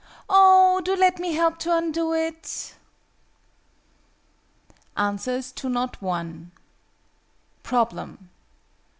"Oh, do let me help to undo it!" ANSWERS TO KNOT I. _Problem.